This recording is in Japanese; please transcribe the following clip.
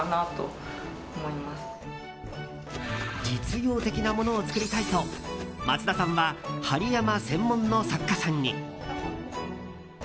実用的なものを作りたいと松田さんは針山専門の作家さんに。